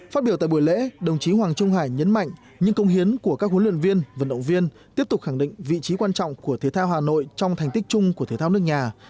phát biểu tại buổi lễ đồng chí hoàng trung hải nhấn mạnh những công hiến của các huấn luyện viên vận động viên tiếp tục khẳng định vị trí quan trọng của thế thao hà nội trong thành tích chung của thể thao nước nhà